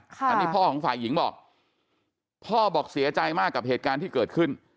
พ่อของฝ่ายหญิงบอกควรเสียใจมากกับเหตุการณ์ที่เกิดขึ้น